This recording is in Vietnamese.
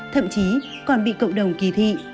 thậm chí còn bị cộng đồng kì thị